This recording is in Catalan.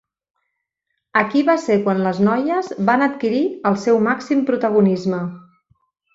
Aquí va ser quan les noies van adquirir el seu màxim protagonisme.